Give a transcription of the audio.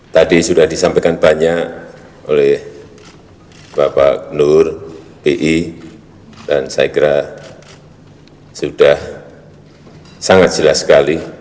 tadi sudah disampaikan banyak oleh bapak nur bi dan saya kira sudah sangat jelas sekali